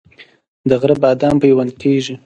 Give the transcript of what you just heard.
د غره بادام پیوند کیږي؟